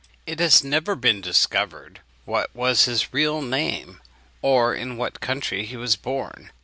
It has never yet been discovered what was his real name, or in what country he was born.